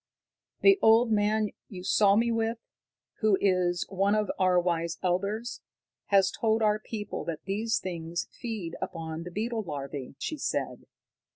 "The old man you saw with me, who is one of our wise elders, has told our people that these things feed upon the beetle larvae," she said.